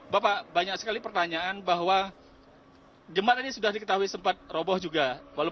bapak banyak sekali pertanyaan bahwa jembatan ini sudah diketahui sempat roboh juga